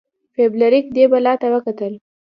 فلیریک دې بلا ته وکتل.